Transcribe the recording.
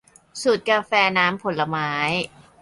สูตรกาแฟน้ำผลไม้